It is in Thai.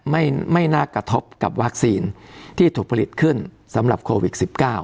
ไม่น่ากระทบกับวัคซีนที่ถูกผลิตขึ้นสำหรับโควิด๑๙